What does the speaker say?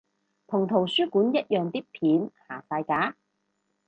同圖書館一樣啲片下晒架？